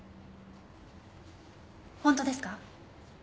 本当ですか？